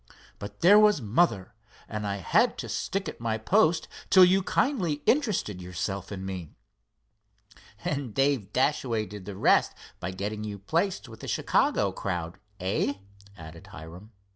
But there was mother, and I had to stick at my post till you kindly interested yourself in me." "And Dave Dashaway did the rest by getting you placed with the Chicago crowd; eh?" added Hiram.